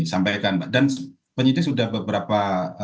sampaikan dan penyidik sudah beberapa